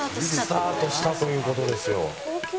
スタートしたという事ですよ。